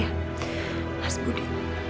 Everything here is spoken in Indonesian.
iya mas budi